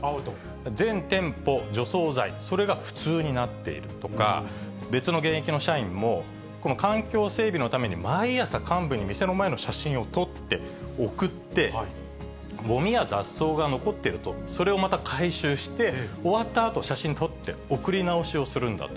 全店舗、除草剤、それが普通になっているとか、別の現役の社員も、この環境整備のために、毎朝幹部に店の前の写真を撮って送って、ごみや雑草が残ってると、それをまた回収して、終わったあと、写真撮って、送り直しをするんだと。